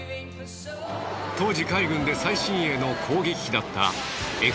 当時海軍で最新鋭の攻撃機だったＦ／Ａ−１８